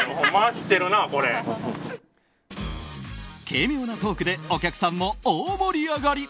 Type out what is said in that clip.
軽妙なトークでお客さんも大盛り上がり。